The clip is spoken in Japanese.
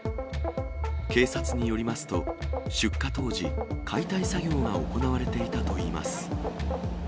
警察によりますと、出火当時、解体作業が行われていたといいます。